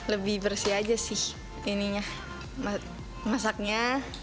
lebih bersih aja sih masaknya